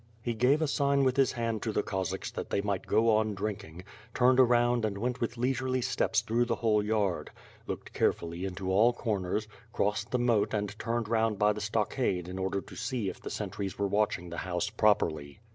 He gave a sign with his hand to the Cossacks that they might go on drinking, turned around and went with leisurely steps through the whole yard; looked carefully into all corners, crossed the moat and turned round by the stockade in order to see if the sentries were watching the house properly.